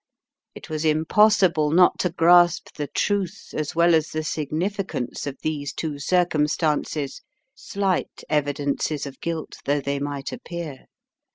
It was impos sible not to grasp the truth as well as the significance of these two circumstances, slight evidences of guilt though they might appear.